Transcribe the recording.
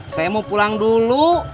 saya mau pulang dulu